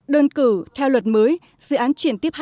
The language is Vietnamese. đơn cử theo luật mới dự án chuyển tiếp hai